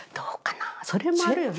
それもあるよね。